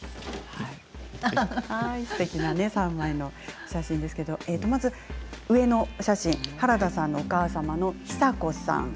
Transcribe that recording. すてきな３枚の写真ですけれどまず上のお写真原田さんのお母様のヒサ子さん。